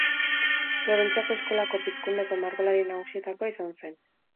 Florentziako eskolako Pizkundeko margolari nagusietakoa izan zen.